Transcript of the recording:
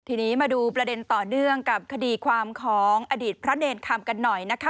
ทีนี้มาดูประเด็นต่อเนื่องกับคดีความของอดีตพระเนรคำกันหน่อยนะคะ